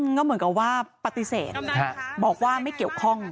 ก็เหมือนกับว่าปฏิเสธบอกว่าไม่เกี่ยวข้อง